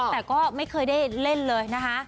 แต่ก็ไม่เคยได้เล่นเลยนะคะ